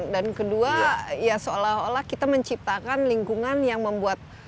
dan kedua ya seolah olah kita menciptakan lingkungan yang membuat